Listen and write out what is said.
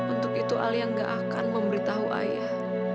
untuk itu alia gak akan memberitahu ayah